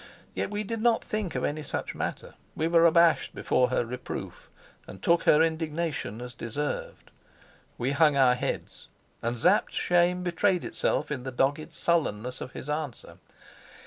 Yet we did not think of any such matter. We were abashed before her reproof and took her indignation as deserved. We hung our heads, and Sapt's shame betrayed itself in the dogged sullenness of his answer.